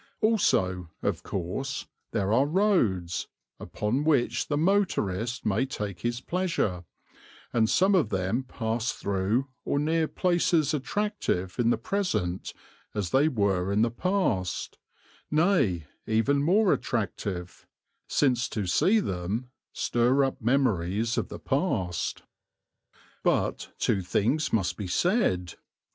Also, of course, there are the roads, upon which the motorist may take his pleasure, and some of them pass through or near places attractive in the present as they were in the past, nay, even more attractive, since to see them stir up the memories of the past. But two things must be said.